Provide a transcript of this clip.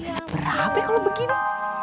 saper api kalau begini